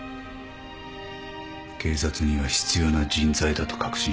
警察には必要な人材だと確信した。